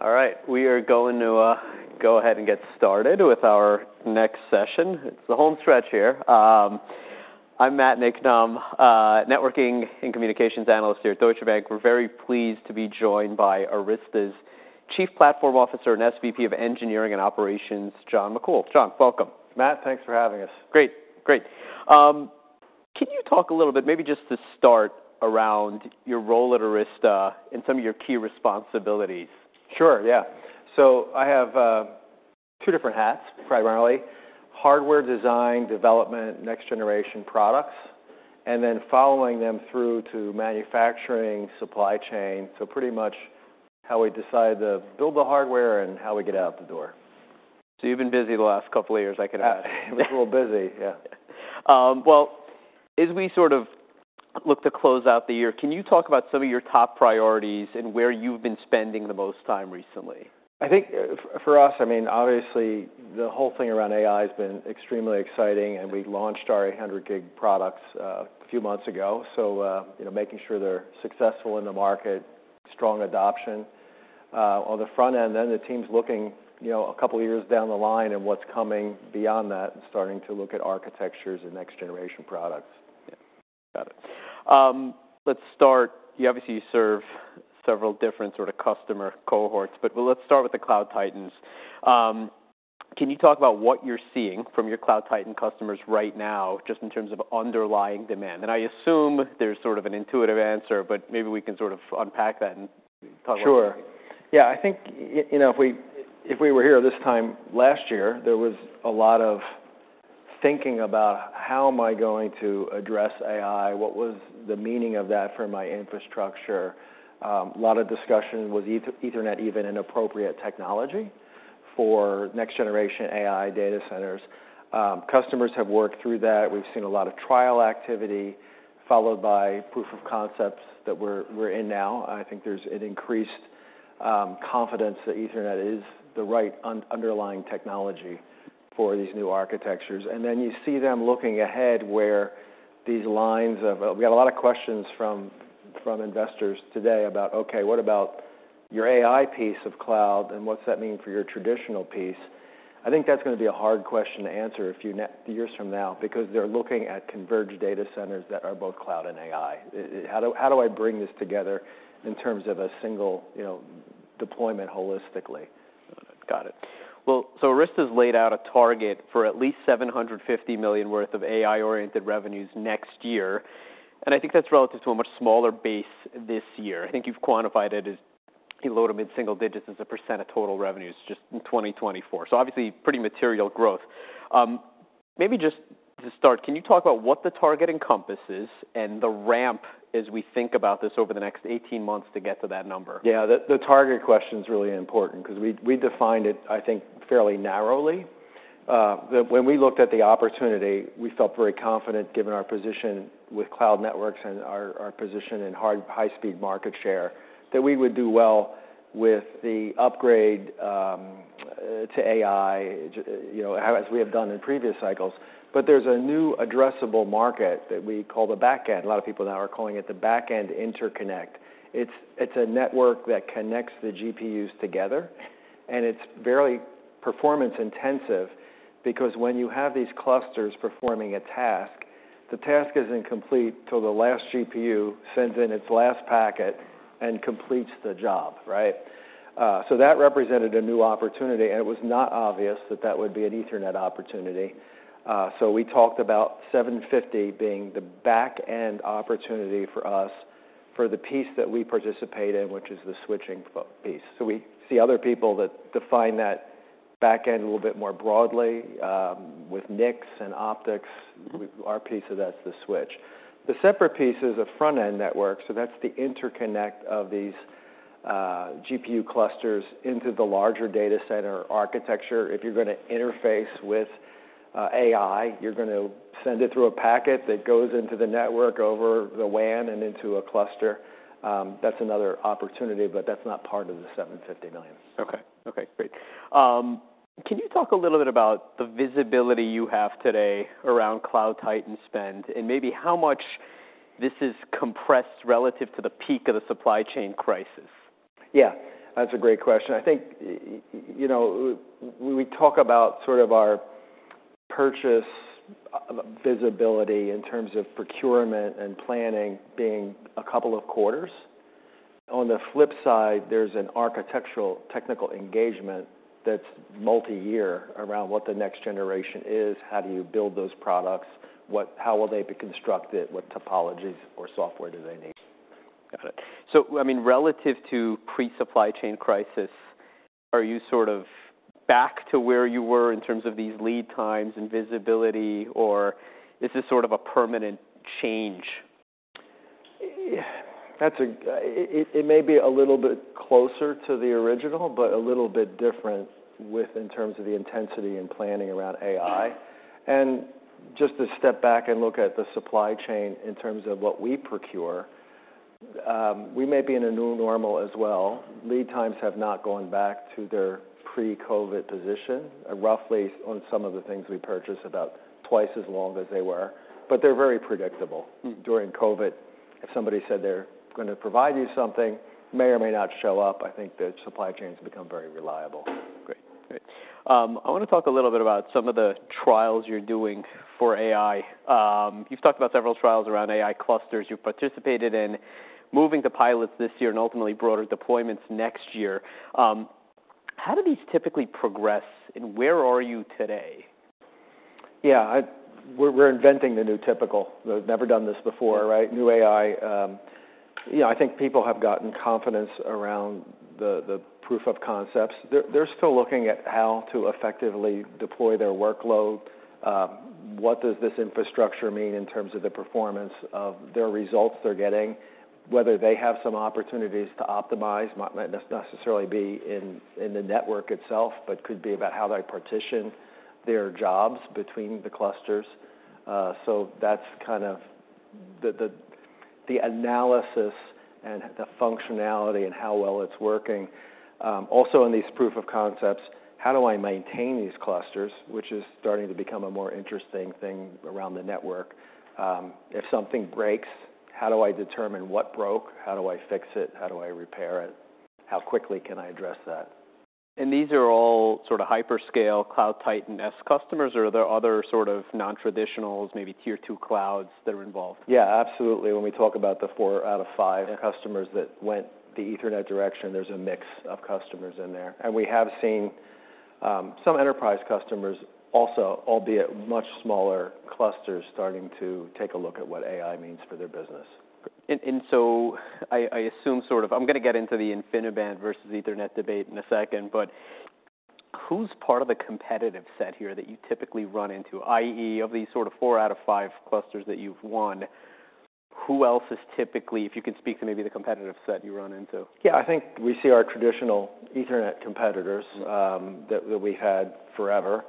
All right, we are going to go ahead and get started with our next session. It's the home stretch here. I'm Matt Niknam, networking and communications analyst here at Deutsche Bank. We're very pleased to be joined by Arista's Chief Platform Officer and SVP of Engineering and Operations, John McCool. John, welcome. Matt, thanks for having us. Great. Great. Can you talk a little bit, maybe just to start, around your role at Arista and some of your key responsibilities? Sure, yeah. So I have two different hats, primarily: hardware design, development, next generation products, and then following them through to manufacturing, supply chain. So pretty much how we decide to build the hardware and how we get it out the door. So you've been busy the last couple of years, I could add. A little busy, yeah. As we sort of look to close out the year, can you talk about some of your top priorities and where you've been spending the most time recently? I think for us, I mean, obviously, the whole thing around AI has been extremely exciting, and we launched our 800 gig products a few months ago, so you know, making sure they're successful in the market, strong adoption. On the front end, then the team's looking you know, a couple of years down the line and what's coming beyond that and starting to look at architectures and next generation products. Yeah. Got it. Let's start. You obviously serve several different sort of customer cohorts, but well, let's start with the cloud titans. Can you talk about what you're seeing from your cloud titan customers right now, just in terms of underlying demand? And I assume there's sort of an intuitive answer, but maybe we can sort of unpack that and talk about- Sure. Yeah, I think, you know, if we, if we were here this time last year, there was a lot of thinking about: How am I going to address AI? What was the meaning of that for my infrastructure? A lot of discussion, was Ethernet even an appropriate technology for next generation AI data centers? Customers have worked through that. We've seen a lot of trial activity, followed by proof of concepts that we're, we're in now. I think there's an increased confidence that Ethernet is the right underlying technology for these new architectures. And then you see them looking ahead, where these lines of... We had a lot of questions from investors today about, "Okay, what about your AI piece of cloud, and what's that mean for your traditional piece?" I think that's gonna be a hard question to answer a few years from now because they're looking at converged data centers that are both cloud and AI. How do I bring this together in terms of a single, you know, deployment holistically? Got it. Well, so Arista's laid out a target for at least $750 million worth of AI-oriented revenues next year, and I think that's relative to a much smaller base this year. I think you've quantified it as a low-to-mid single digits as a % of total revenues, just in 2024. So obviously, pretty material growth. Maybe just to start, can you talk about what the target encompasses and the ramp as we think about this over the next 18 months to get to that number? Yeah, the target question is really important 'cause we defined it, I think, fairly narrowly. When we looked at the opportunity, we felt very confident, given our position with cloud networks and our position in high-speed market share, that we would do well with the upgrade to AI, you know, as we have done in previous cycles. But there's a new addressable market that we call the back end. A lot of people now are calling it the back end interconnect. It's a network that connects the GPUs together, and it's very performance intensive because when you have these clusters performing a task, the task is incomplete till the last GPU sends in its last packet and completes the job, right? So that represented a new opportunity, and it was not obvious that that would be an Ethernet opportunity. So we talked about $750 million being the back-end opportunity for us, for the piece that we participate in, which is the switching piece. So we see other people that define that back end a little bit more broadly, with NICs and optics. Our piece of that's the switch. The separate piece is a front-end network, so that's the interconnect of these GPU clusters into the larger data center architecture. If you're gonna interface with AI, you're going to send it through a packet that goes into the network over the WAN and into a cluster. That's another opportunity, but that's not part of the $750 million. Okay. Okay, great. Can you talk a little bit about the visibility you have today around cloud titan spend and maybe how much this is compressed relative to the peak of the supply chain crisis? Yeah, that's a great question. I think, you know, when we talk about sort of our purchase visibility in terms of procurement and planning being a couple of quarters, on the flip side, there's an architectural technical engagement that's multiyear around what the next generation is. How do you build those products? How will they be constructed? What topologies or software do they need? Got it. So, I mean, relative to pre-supply chain crisis, are you sort of back to where you were in terms of these lead times and visibility, or is this sort of a permanent change? Yeah, that's a little bit closer to the original, but a little bit different in terms of the intensity and planning around AI. And just to step back and look at the supply chain in terms of what we procure, we may be in a new normal as well. Lead times have not gone back to their pre-COVID position, roughly on some of the things we purchase, about twice as long as they were, but they're very predictable. During COVID, if somebody said they're going to provide you something, may or may not show up. I think the supply chain's become very reliable. Great. Great. I want to talk a little bit about some of the trials you're doing for AI. You've talked about several trials around AI clusters you've participated in, moving to pilots this year and ultimately broader deployments next year. How do these typically progress, and where are you today? Yeah, we're inventing the new typical. We've never done this before, right? New AI, you know, I think people have gotten confidence around the proof of concepts. They're still looking at how to effectively deploy their workload. What does this infrastructure mean in terms of the performance of their results they're getting? Whether they have some opportunities to optimize, might not necessarily be in the network itself, but could be about how they partition their jobs between the clusters. So that's kind of the analysis and the functionality and how well it's working. Also, in these proof of concepts, how do I maintain these clusters? Which is starting to become a more interesting thing around the network. If something breaks, how do I determine what broke? How do I fix it? How do I repair it? How quickly can I address that? And these are all sort of hyperscale cloud titan-esque customers, or are there other sort of non-traditionals, maybe tier two clouds that are involved? Yeah, absolutely. When we talk about the four out of five customers that went the Ethernet direction, there's a mix of customers in there. And we have seen some enterprise customers also, albeit much smaller clusters, starting to take a look at what AI means for their business. So I assume, sort of, I'm gonna get into the InfiniBand versus Ethernet debate in a second, but who's part of the competitive set here that you typically run into? i.e., of these sort of four out of five clusters that you've won, who else is typically... if you could speak to maybe the competitive set you run into. Yeah, I think we see our traditional Ethernet competitors that we had forever.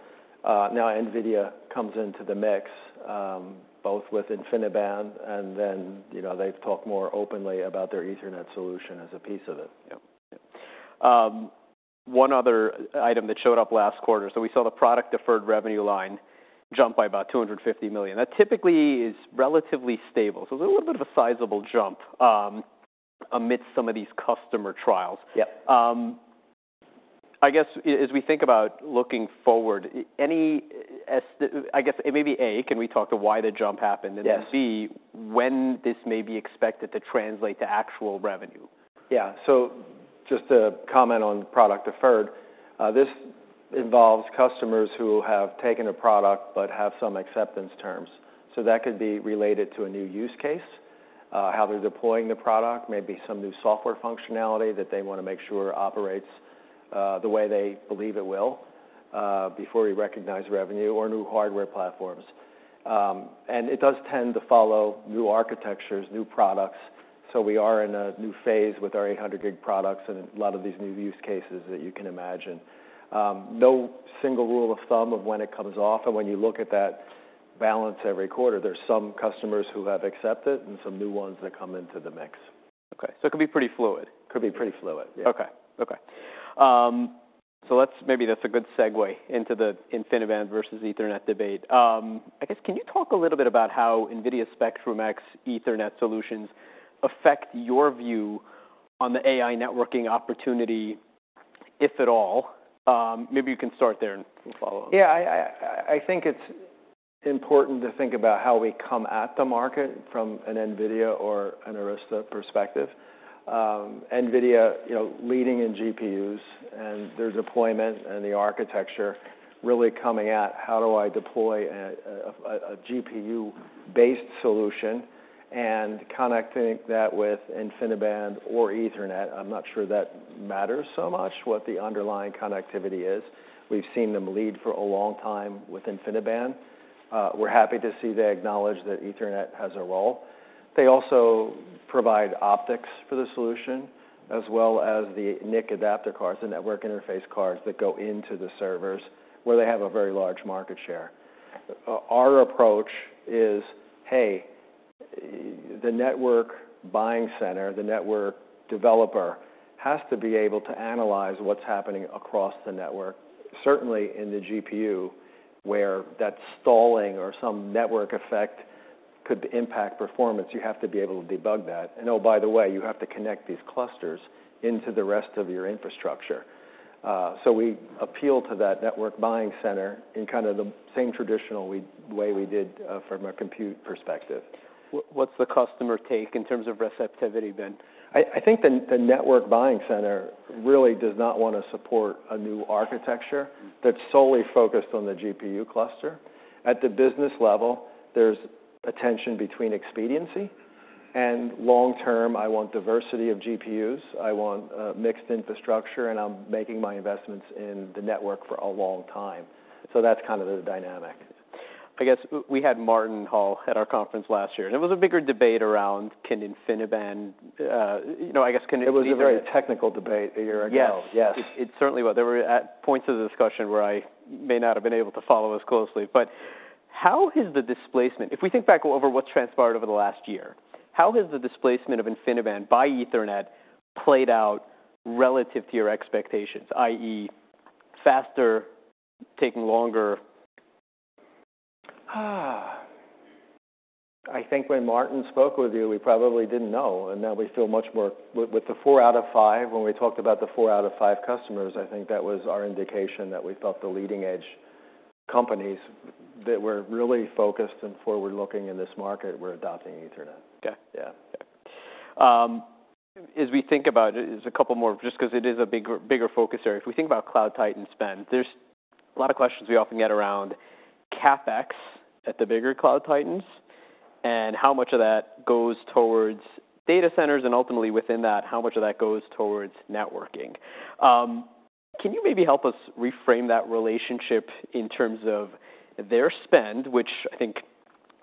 Now NVIDIA comes into the mix, both with InfiniBand, and then, you know, they've talked more openly about their Ethernet solution as a piece of it. Yep. One other item that showed up last quarter. So we saw the product deferred revenue line jump by about $250 million. That typically is relatively stable, so it's a little bit of a sizable jump, amidst some of these customer trials. Yep. I guess as we think about looking forward, can we talk about why the jump happened? Yes. B, when this may be expected to translate to actual revenue. Yeah. So just to comment on product deferred, this involves customers who have taken a product but have some acceptance terms. So that could be related to a new use case, how they're deploying the product, maybe some new software functionality that they want to make sure operates the way they believe it will before we recognize revenue or new hardware platforms. And it does tend to follow new architectures, new products, so we are in a new phase with our eight hundred gig products and a lot of these new use cases that you can imagine. No single rule of thumb of when it comes off, and when you look at that balance every quarter, there's some customers who have accepted and some new ones that come into the mix. Okay, so it could be pretty fluid. Could be pretty fluid, yeah. Okay. Okay. So maybe that's a good segue into the InfiniBand versus Ethernet debate. I guess, can you talk a little bit about how NVIDIA Spectrum-X Ethernet solutions affect your view on the AI networking opportunity, if at all? Maybe you can start there, and we'll follow up. Yeah, I think it's important to think about how we come at the market from an NVIDIA or an Arista perspective. NVIDIA, you know, leading in GPUs, and their deployment and the architecture really coming at: How do I deploy a GPU-based solution and connecting that with InfiniBand or Ethernet? I'm not sure that matters so much what the underlying connectivity is. We've seen them lead for a long time with InfiniBand. We're happy to see they acknowledge that Ethernet has a role. They also provide optics for the solution, as well as the NIC adapter cards, the network interface cards that go into the servers, where they have a very large market share. Our approach is, hey, the network buying center, the network developer, has to be able to analyze what's happening across the network, certainly in the GPU, where that stalling or some network effect could impact performance. You have to be able to debug that. And oh, by the way, you have to connect these clusters into the rest of your infrastructure. So we appeal to that network buying center in kind of the same traditional way we did, from a compute perspective. What's the customer take in terms of receptivity then? I think the network buying center really does not want to support a new architecture that's solely focused on the GPU cluster. At the business level, there's a tension between expediency and long-term, I want diversity of GPUs, I want mixed infrastructure, and I'm making my investments in the network for a long time. So that's kind of the dynamic. I guess we had Martin Hull at our conference last year, and it was a bigger debate around, can InfiniBand, you know, I guess, can- It was a very technical debate a year ago. Yes. Yes. It certainly was. There were at points of the discussion where I may not have been able to follow as closely, but how has the displacement, if we think back over what's transpired over the last year, how has the displacement of InfiniBand by Ethernet played out relative to your expectations, i.e., faster, taking longer? Ah! I think when Martin spoke with you, we probably didn't know, and now we feel much more with the four out of five, when we talked about the four out of five customers, I think that was our indication that we felt the leading edge companies that were really focused and forward-looking in this market were adopting Ethernet. Okay. Yeah. Yeah. As we think about it, there's a couple more, just 'cause it is a bigger focus area. If we think about cloud titan spend, there's a lot of questions we often get around CapEx at the bigger cloud titans, and how much of that goes towards data centers, and ultimately within that, how much of that goes towards networking. Can you maybe help us reframe that relationship in terms of their spend, which I think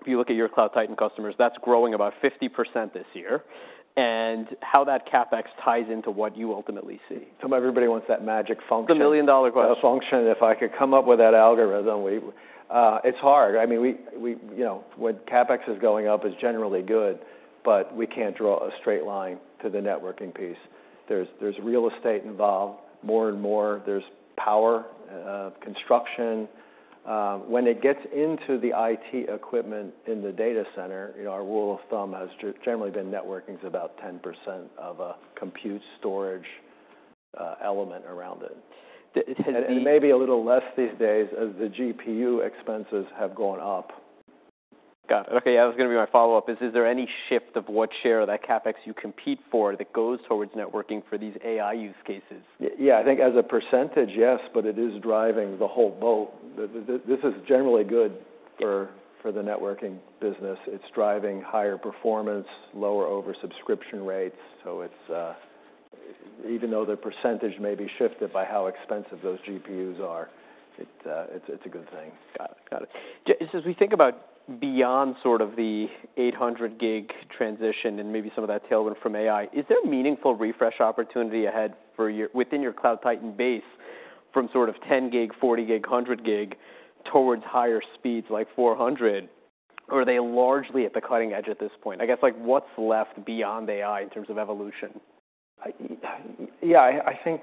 if you look at your cloud titan customers, that's growing about 50% this year, and how that CapEx ties into what you ultimately see? Everybody wants that magic function. It's a $1 million question. A function, if I could come up with that algorithm, it's hard. I mean, you know, when CapEx is going up, it's generally good, but we can't draw a straight line to the networking piece. There's real estate involved, more and more, there's power, construction. When it gets into the IT equipment in the data center, you know, our rule of thumb has generally been networking's about 10% of a compute storage element around it. D- has the- Maybe a little less these days as the GPU expenses have gone up. Got it. Okay, yeah, that was gonna be my follow-up, is, is there any shift of what share of that CapEx you compete for that goes towards networking for these AI use cases? Yeah, I think as a percentage, yes, but it is driving the whole boat. This is generally good for the networking business. It's driving higher performance, lower oversubscription rates, so it's... Even though the percentage may be shifted by how expensive those GPUs are, it's a good thing. Got it. Got it. As we think about beyond sort of the eight hundred gig transition and maybe some of that tailwind from AI, is there a meaningful refresh opportunity ahead within your cloud titans base from sort of ten gig, forty gig, hundred gig towards higher speeds like four hundred? Or are they largely at the cutting edge at this point? I guess, like, what's left beyond AI in terms of evolution? Yeah, I think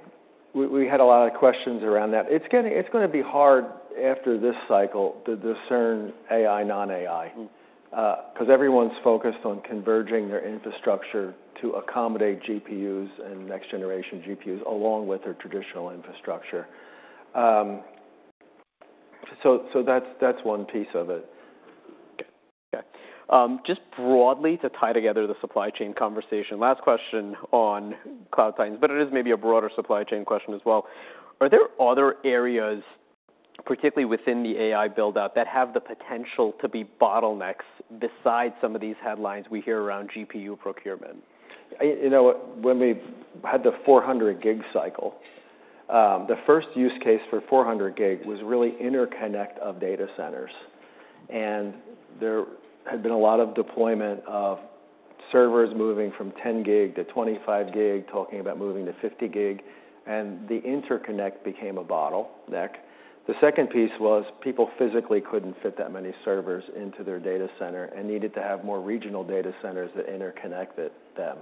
we had a lot of questions around that. It's gonna be hard after this cycle to discern AI, non-AI- Mm-hmm... 'cause everyone's focused on converging their infrastructure to accommodate GPUs and next generation GPUs, along with their traditional infrastructure. So that's one piece of it. Okay, okay. Just broadly, to tie together the supply chain conversation, last question on cloud titans, but it is maybe a broader supply chain question as well. Are there other areas, particularly within the AI build-out, that have the potential to be bottlenecks besides some of these headlines we hear around GPU procurement? You know, when we had the 400 gig cycle, the first use case for 400 gig was really interconnect of data centers. And there had been a lot of deployment of servers moving from 10 gig to 25 gig, talking about moving to 50 gig, and the interconnect became a bottleneck. The second piece was people physically couldn't fit that many servers into their data center and needed to have more regional data centers that interconnected them.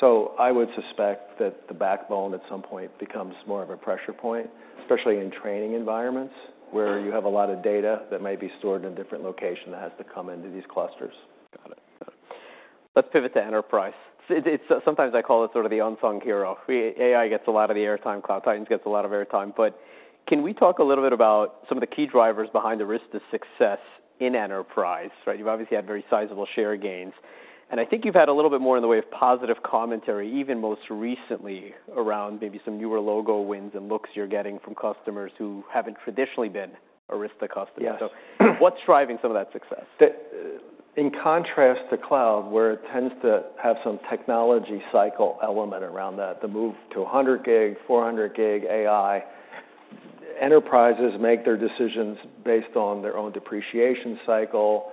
So I would suspect that the backbone at some point becomes more of a pressure point, especially in training environments, where you have a lot of data that may be stored in a different location that has to come into these clusters. Got it. Got it. Let's pivot to enterprise. Sometimes I call it sort of the unsung hero. AI gets a lot of the airtime, cloud titans gets a lot of airtime, but can we talk a little bit about some of the key drivers behind Arista's success in enterprise, right? You've obviously had very sizable share gains, and I think you've had a little bit more in the way of positive commentary, even most recently around maybe some newer logo wins and looks you're getting from customers who haven't traditionally been Arista customers. Yes. So what's driving some of that success? In contrast to cloud, where it tends to have some technology cycle element around that, the move to a hundred gig, four hundred gig AI, enterprises make their decisions based on their own depreciation cycle,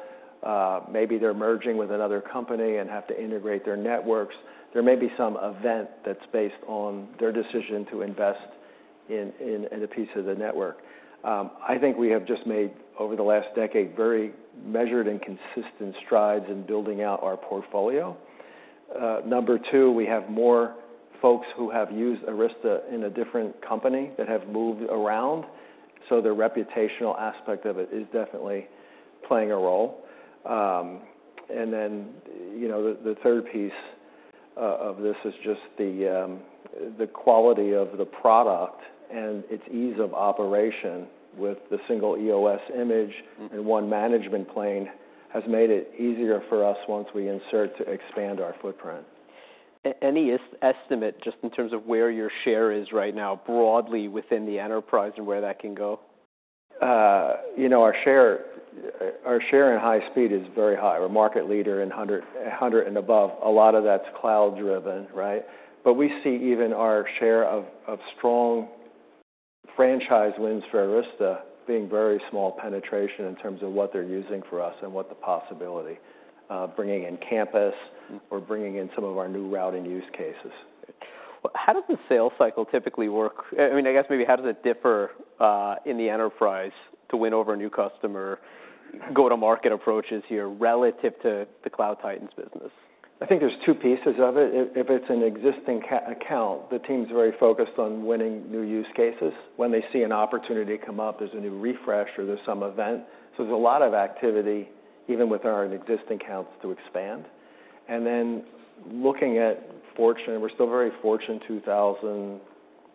maybe they're merging with another company and have to integrate their networks. There may be some event that's based on their decision to invest in a piece of the network. I think we have just made, over the last decade, very measured and consistent strides in building out our portfolio. Number two, we have more folks who have used Arista in a different company that have moved around, so the reputational aspect of it is definitely playing a role. And then, you know, the third piece of this is just the quality of the product and its ease of operation with the single EOS image- Mm-hmm... and one management plane has made it easier for us once we insert to expand our footprint. Any estimate just in terms of where your share is right now, broadly within the enterprise and where that can go? You know, our share in high speed is very high. We're a market leader in hundred and above. A lot of that's cloud driven, right? But we see even our share of strong franchise wins for Arista being very small penetration in terms of what they're using for us and what the possibility, bringing in campus- Mm-hmm... or bringing in some of our new routing use cases.... how does the sales cycle typically work? I mean, I guess maybe how does it differ in the enterprise to win over a new customer, go-to-market approaches here, relative to the cloud titans business? I think there's two pieces of it. If it's an existing customer account, the team's very focused on winning new use cases. When they see an opportunity come up, there's a new refresh or there's some event, so there's a lot of activity, even with our existing accounts, to expand. And then looking at Fortune, we're still very Fortune 2000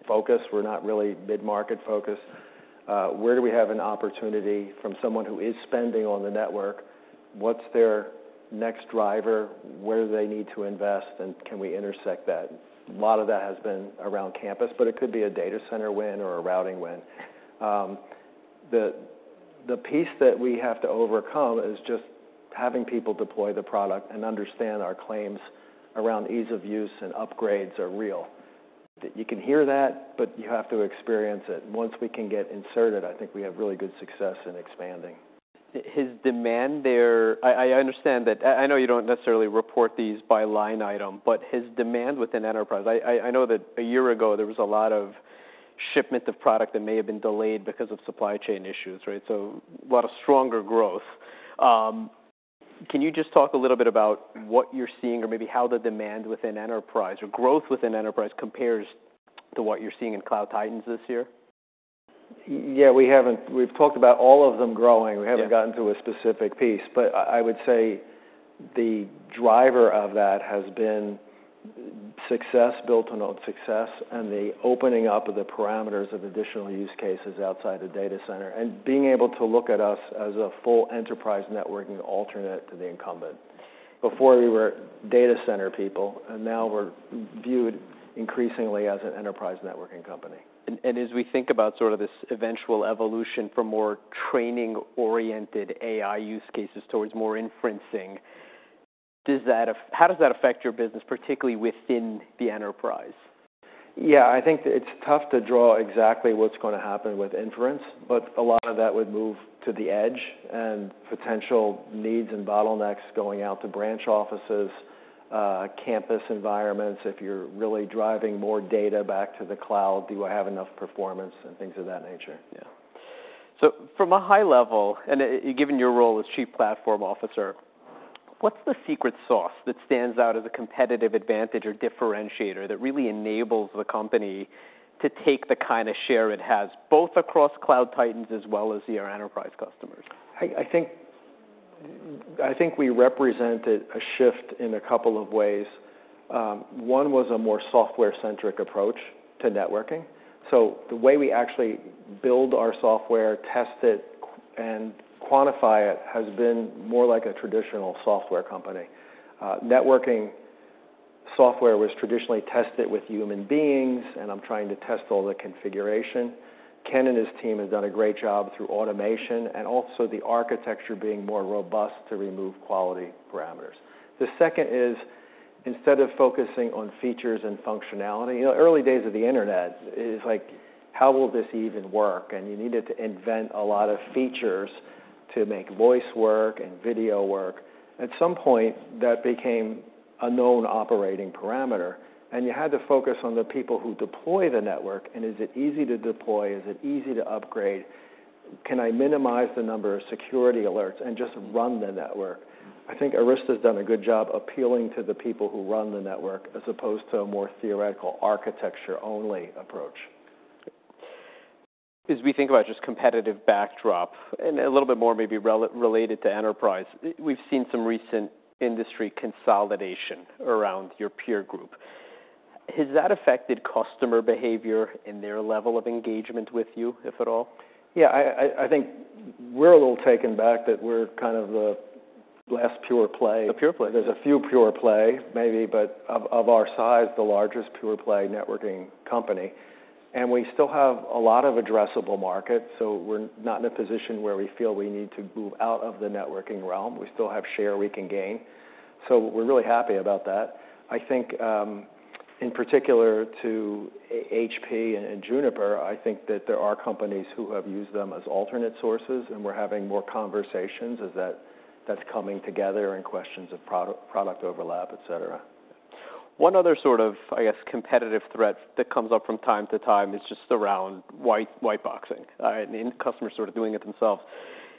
focused, we're not really mid-market focused. Where do we have an opportunity from someone who is spending on the network? What's their next driver? Where do they need to invest, and can we intersect that? A lot of that has been around campus, but it could be a data center win or a routing win. The piece that we have to overcome is just having people deploy the product and understand our claims around ease of use and upgrades are real, that you can hear that, but you have to experience it. Once we can get inserted, I think we have really good success in expanding. Is demand there? I understand that. I know you don't necessarily report these by line item, but is demand within enterprise? I know that a year ago, there was a lot of shipment of product that may have been delayed because of supply chain issues, right, so a lot of stronger growth. Can you just talk a little bit about what you're seeing or maybe how the demand within enterprise or growth within enterprise compares to what you're seeing in cloud titans this year? Yeah, we've talked about all of them growing. Yeah. We haven't gotten to a specific piece. But I, I would say the driver of that has been success built on old success, and the opening up of the parameters of additional use cases outside the data center, and being able to look at us as a full enterprise networking alternate to the incumbent. Before, we were data center people, and now we're viewed increasingly as an enterprise networking company. As we think about sort of this eventual evolution for more training-oriented AI use cases towards more inferencing, how does that affect your business, particularly within the enterprise? Yeah, I think it's tough to draw exactly what's going to happen with inference, but a lot of that would move to the edge and potential needs and bottlenecks going out to branch offices, campus environments. If you're really driving more data back to the cloud, do I have enough performance and things of that nature? Yeah. So from a high level, and given your role as Chief Platform Officer, what's the secret sauce that stands out as a competitive advantage or differentiator that really enables the company to take the kind of share it has, both across cloud titans as well as your enterprise customers? I think we represented a shift in a couple of ways. One was a more software-centric approach to networking. So the way we actually build our software, test it, and quantify it, has been more like a traditional software company. Networking software was traditionally tested with human beings, and I'm trying to test all the configuration. Ken and his team have done a great job through automation, and also the architecture being more robust to remove quality parameters. The second is, instead of focusing on features and functionality... You know, early days of the internet is like, "How will this even work?" and you needed to invent a lot of features to make voice work and video work. At some point, that became a known operating parameter, and you had to focus on the people who deploy the network, and is it easy to deploy, is it easy to upgrade? Can I minimize the number of security alerts and just run the network? I think Arista has done a good job appealing to the people who run the network, as opposed to a more theoretical architecture-only approach. As we think about just competitive backdrop and a little bit more maybe related to enterprise, we've seen some recent industry consolidation around your peer group. Has that affected customer behavior and their level of engagement with you, if at all? Yeah, I think we're a little taken aback that we're kind of the last pure play. A pure play. There's a few pure play, maybe, but of our size, the largest pure play networking company, and we still have a lot of addressable market, so we're not in a position where we feel we need to move out of the networking realm. We still have share we can gain, so we're really happy about that. I think, in particular to HP and Juniper, I think that there are companies who have used them as alternate sources, and we're having more conversations as that's coming together in questions of product overlap, et cetera. One other sort of, I guess, competitive threat that comes up from time to time is just around white boxing, and customers sort of doing it themselves.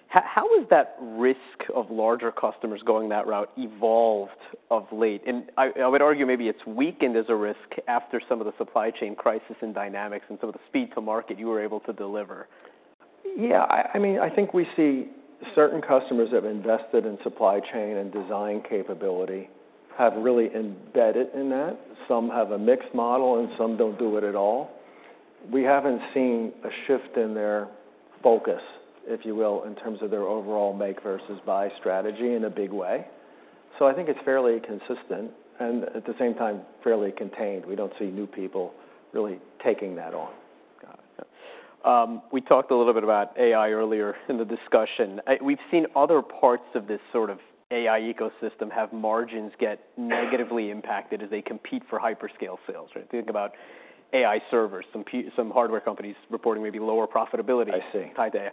How has that risk of larger customers going that route evolved of late? And I would argue maybe it's weakened as a risk after some of the supply chain crisis and dynamics and some of the speed to market you were able to deliver. Yeah, I mean, I think we see certain customers have invested in supply chain and design capability, have really embedded in that. Some have a mixed model, and some don't do it at all. We haven't seen a shift in their focus, if you will, in terms of their overall make versus buy strategy in a big way. So I think it's fairly consistent and, at the same time, fairly contained. We don't see new people really taking that on. Got it. We talked a little bit about AI earlier in the discussion. We've seen other parts of this sort of AI ecosystem have margins get negatively impacted as they compete for hyperscale sales, right? Think about AI servers, some hardware companies reporting maybe lower profitability- I see... tied to AI.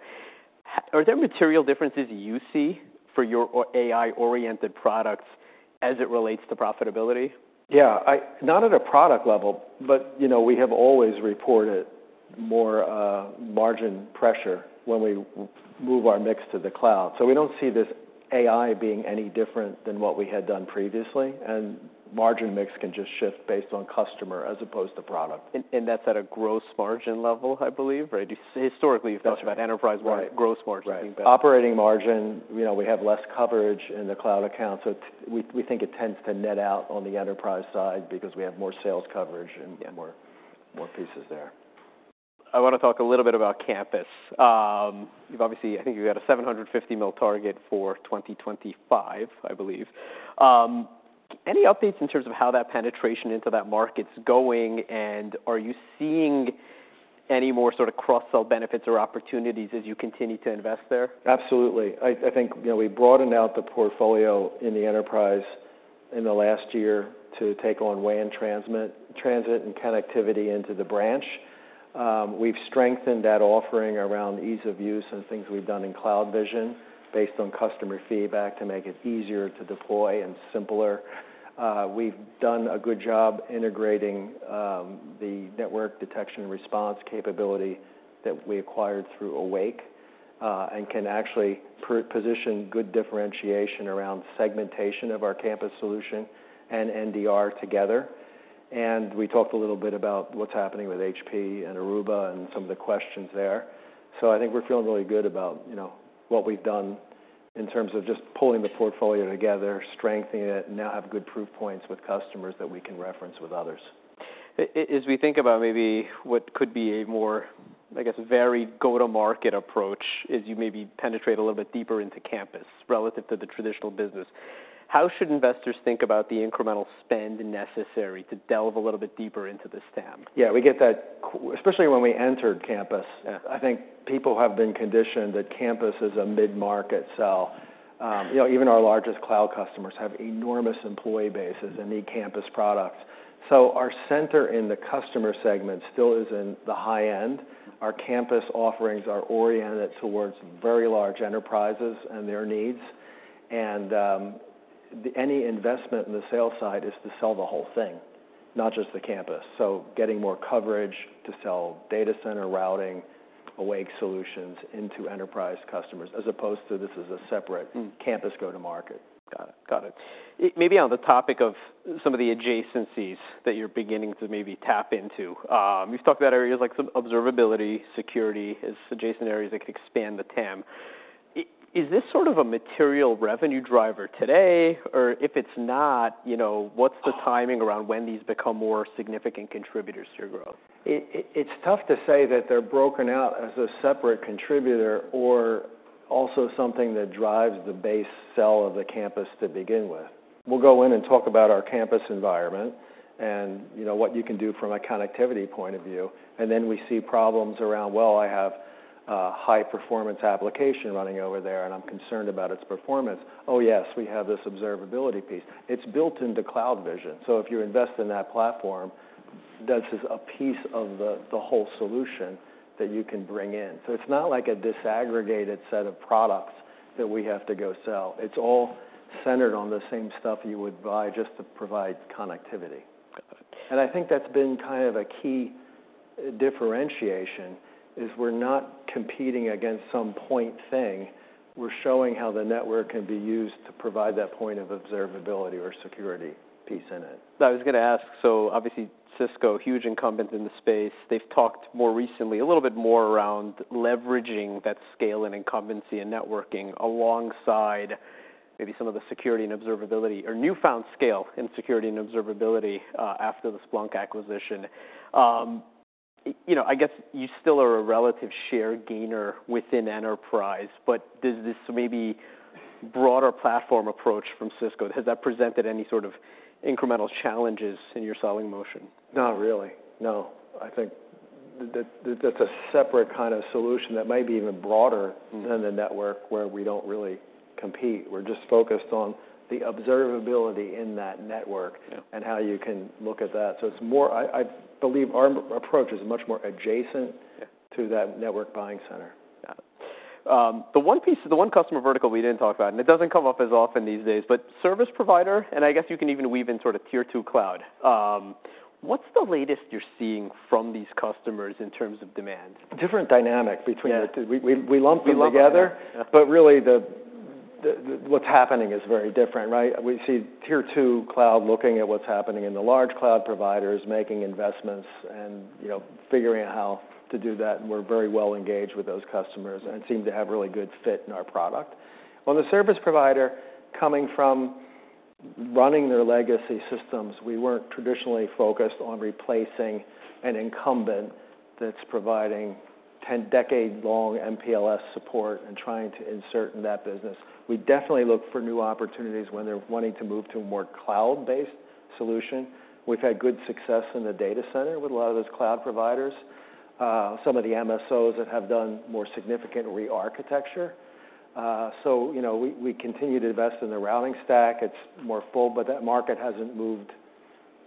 Are there material differences you see for your AI-oriented products as it relates to profitability? Yeah, not at a product level, but, you know, we have always reported more margin pressure when we move our mix to the cloud. So we don't see this AI being any different than what we had done previously, and margin mix can just shift based on customer as opposed to product. That's at a gross margin level, I believe, right? Historically, you've talked about enterprise-wide- Right -gross margin. Right. Operating margin, you know, we have less coverage in the cloud accounts, so it—we think it tends to net out on the enterprise side because we have more sales coverage and- Yeah more, more pieces there. I want to talk a little bit about campus. You've obviously. I think you've got a $750 million target for 2025, I believe. Any updates in terms of how that penetration into that market's going, and are you seeing any more sort of cross-sell benefits or opportunities as you continue to invest there? Absolutely. I think, you know, we broadened out the portfolio in the enterprise in the last year to take on WAN transit and connectivity into the branch. We've strengthened that offering around ease of use and things we've done in CloudVision, based on customer feedback, to make it easier to deploy and simpler. We've done a good job integrating the network detection and response capability that we acquired through Awake, and can actually position good differentiation around segmentation of our campus solution and NDR together, and we talked a little bit about what's happening with HP and Aruba and some of the questions there, so I think we're feeling really good about, you know, what we've done in terms of just pulling the portfolio together, strengthening it, and now have good proof points with customers that we can reference with others. As we think about maybe what could be a more, I guess, varied go-to-market approach as you maybe penetrate a little bit deeper into campus, relative to the traditional business, how should investors think about the incremental spend necessary to delve a little bit deeper into the TAM? Yeah, we get that especially when we entered campus. Yeah. I think people have been conditioned that campus is a mid-market sell. You know, even our largest cloud customers have enormous employee bases and need campus products. So our center in the customer segment still is in the high end. Our campus offerings are oriented towards very large enterprises and their needs, and any investment in the sales side is to sell the whole thing, not just the campus. So getting more coverage to sell data center routing, Awake solutions into enterprise customers, as opposed to this is a separate- Mm -campus go-to-market. Got it. Got it. Maybe on the topic of some of the adjacencies that you're beginning to maybe tap into, you've talked about areas like some observability, security, as adjacent areas that can expand the TAM. Is this sort of a material revenue driver today, or if it's not, you know, what's the timing around when these become more significant contributors to your growth? It's tough to say that they're broken out as a separate contributor or also something that drives the base sell of the campus to begin with. We'll go in and talk about our campus environment and, you know, what you can do from a connectivity point of view, and then we see problems around, "Well, I have a high-performance application running over there, and I'm concerned about its performance." "Oh, yes, we have this observability piece." It's built into CloudVision, so if you invest in that platform, that's just a piece of the whole solution that you can bring in. So it's not like a disaggregated set of products that we have to go sell. It's all centered on the same stuff you would buy just to provide connectivity. Got it. And I think that's been kind of a key differentiation, is we're not competing against some point thing. We're showing how the network can be used to provide that point of observability or security piece in it. I was gonna ask, so obviously Cisco, huge incumbent in the space, they've talked more recently, a little bit more around leveraging that scale and incumbency and networking alongside maybe some of the security and observability or newfound scale in security and observability after the Splunk acquisition. You know, I guess you still are a relative share gainer within enterprise, but does this maybe broader platform approach from Cisco, has that presented any sort of incremental challenges in your selling motion? Not really, no. I think that, that's a separate kind of solution that might be even broader- Mm-hmm than the network, where we don't really compete. We're just focused on the observability in that network Yeah and how you can look at that. So it's more. I believe our approach is much more adjacent. Yeah to that network buying center. Yeah. The one piece, the one customer vertical we didn't talk about, and it doesn't come up as often these days, but service provider, and I guess you can even weave in sort of tier two cloud. What's the latest you're seeing from these customers in terms of demand? Different dynamic between the two. Yeah. We lump them together- We lump them. But really, what's happening is very different, right? We see tier two cloud looking at what's happening in the large cloud providers, making investments and, you know, figuring out how to do that, and we're very well engaged with those customers, and it seemed to have really good fit in our product. On the service provider, coming from running their legacy systems, we weren't traditionally focused on replacing an incumbent that's providing two decade-long MPLS support and trying to insert in that business. We definitely look for new opportunities when they're wanting to move to a more cloud-based solution. We've had good success in the data center with a lot of those cloud providers, some of the MSOs that have done more significant rearchitecture. So, you know, we continue to invest in the routing stack. It's more full, but that market hasn't moved.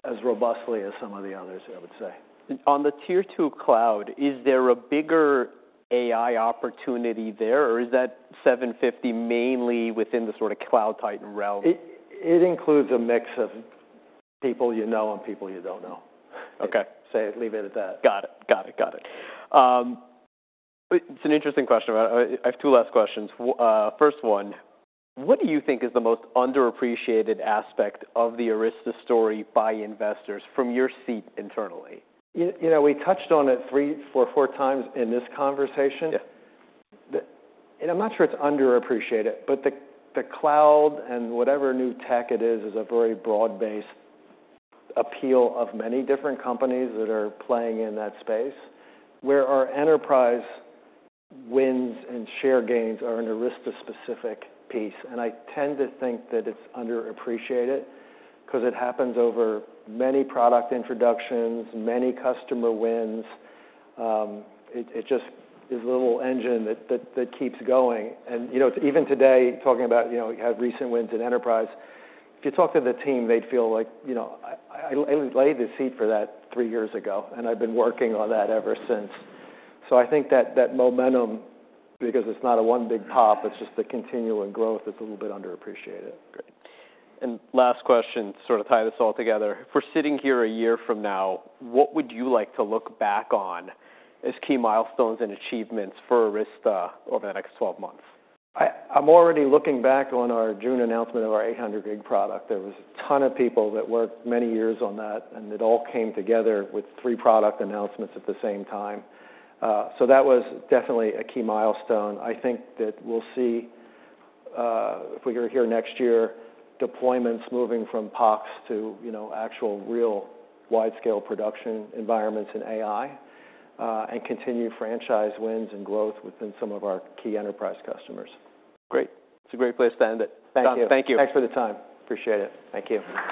as robustly as some of the others, I would say. On the Tier Two cloud, is there a bigger AI opportunity there, or is that $750 million mainly within the sort of cloud titans realm? It includes a mix of people you know, and people you don't know. Okay. So leave it at that. Got it. It's an interesting question. I have two last questions. First one, what do you think is the most underappreciated aspect of the Arista story by investors from your seat internally? You know, we touched on it three or four times in this conversation. Yeah. And I'm not sure it's underappreciated, but the cloud and whatever new tech it is, is a very broad-based appeal of many different companies that are playing in that space, where our enterprise wins and share gains are an Arista-specific piece. And I tend to think that it's underappreciated 'cause it happens over many product introductions, many customer wins. It just is a little engine that keeps going. And, you know, even today, talking about, you know, we had recent wins in enterprise, if you talk to the team, they'd feel like, you know, I laid the seed for that three years ago, and I've been working on that ever since. So I think that that momentum, because it's not a one big pop, it's just the continual growth, that's a little bit underappreciated. Great, and last question, sort of tie this all together: if we're sitting here a year from now, what would you like to look back on as key milestones and achievements for Arista over the next twelve months? I'm already looking back on our June announcement of our eight hundred gig product. There was a ton of people that worked many years on that, and it all came together with three product announcements at the same time. So that was definitely a key milestone. I think that we'll see, if we're here next year, deployments moving from POCs to, you know, actual, real wide-scale production environments in AI, and continued franchise wins and growth within some of our key enterprise customers. Great. That's a great place to end it. Thank you. Thank you. Thanks for the time. Appreciate it. Thank you.